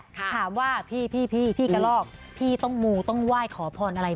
ถามว่าพี่พี่กระลอกพี่ต้องมูต้องไหว้ขอพรอะไร